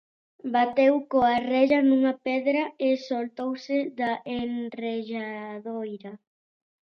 Bateu coa rella nunha pedra e soltouse da enrelladoira.